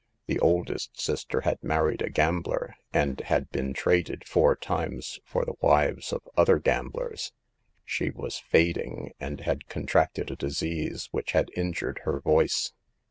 The oldest sister had married a gambler, and had been traded four times for the wives of other gamblers. She was fading, and had contracted a disease which had injured her voice.